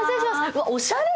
うわ、おしゃれ！